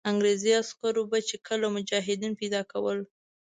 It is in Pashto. انګرېزي عسکرو به چې کله مجاهدین پیدا کول.